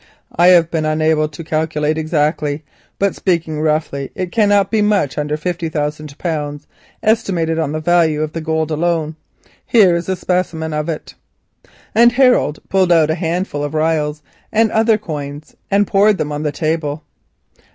"I have been unable to calculate exactly, but, speaking roughly, it cannot be under fifty thousand pounds, estimated on the value of the gold alone. Here is a specimen of it," and Harold pulled out a handful of rials and other coins, and poured them on to the table.